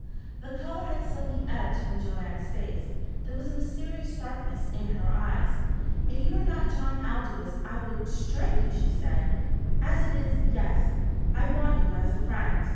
The colour had slowly ebbed from Joanne's face. There was a mysterious darkness in her eyes. "If you were not John Aldous I would strike you," she said. "As it is yes I want you as a friend."